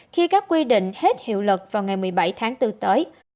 khi các quy định hết hiệu lực vào ngày một mươi bảy tháng bốn tới